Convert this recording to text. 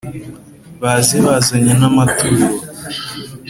baze bazanye n`amaturo